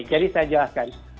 jadi saya jelaskan